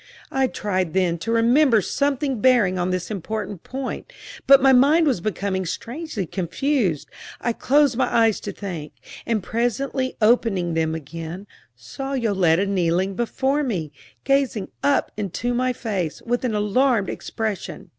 I tried then to remember something bearing on this important point, but my mind was becoming strangely confused. I closed my eyes to think, and presently opening them again, saw Yoletta kneeling before me, gazing up into my face with an alarmed expression.